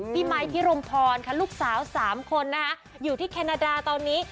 ไมค์พิรมพรค่ะลูกสาว๓คนนะคะอยู่ที่แคนาดาตอนนี้